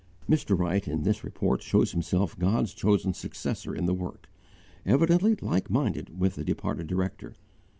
Mr. Wright, in this report, shows himself God's chosen successor in the work, evidently like minded with the departed director.